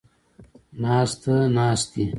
ناسته ، ناستې